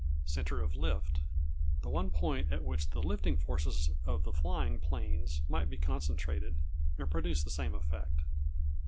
Centre of Lift The one point at which the lifting forces of the flying planes might be concentrated, and produce the same effect.